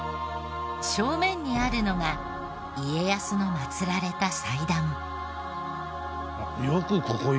正面にあるのが家康の祭られた祭壇。